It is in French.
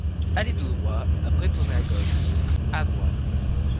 Allez tout droit ! Après tournez à gauche/ à droite !